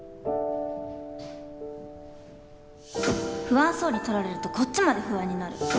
不安そうに撮られるとこっちまで不安になる。